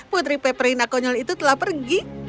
putri peperina konyol itu telah pergi